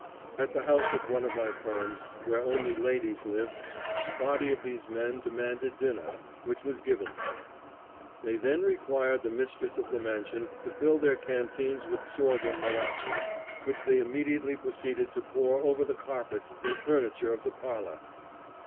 At the house of one of my friends where only ladies lived, a body of these men demanded dinner, which was given them. They then required the mistress of the mansion to fill their canteens with sorghum molasses, which they immediately proceeded to pour over the carpets and furniture of the parlor.